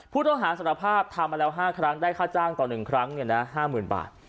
ผู้ต้องหาสารภาพทำมาแล้วห้าครั้งได้ค่าจ้างต่อหนึ่งครั้งเนี่ยนะห้าหมื่นบาท